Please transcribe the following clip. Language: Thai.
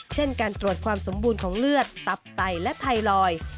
เช่นการตรวจความสมบูรณ์ของเลือดตับไตและไทลอย